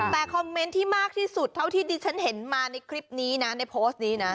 แต่คอมเมนต์ที่มากที่สุดเท่าที่ดิฉันเห็นมาในคลิปนี้นะในโพสต์นี้นะ